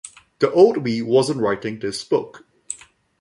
The old me wasn't writing this book.